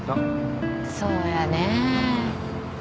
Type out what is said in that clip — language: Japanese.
そうやね。